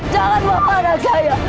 jangan membawa anak saya